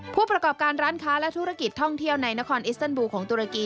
ผู้ประกอบการร้านค้าและธุรกิจท่องเที่ยวในนครอิสเตอร์บูลของตุรกี